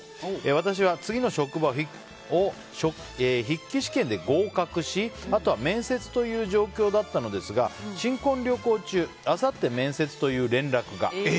私は次の職場を筆記試験で合格しあとは面接という状況だったのですが新婚旅行中あさって面接という連絡が。